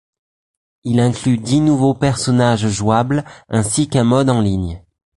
Il inclut dix nouveaux personnages jouables ainsi qu'un mode en ligne.